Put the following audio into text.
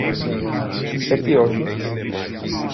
Γιατί όχι;